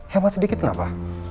hemat sedikit kenapa